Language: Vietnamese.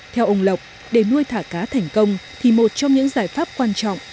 theo ông lộc để nuôi thả cá thành công thì một trong những giải pháp quan trọng